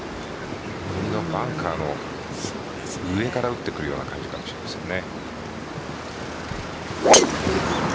このバンカーの上から打ってくるような感じかもしれませんね。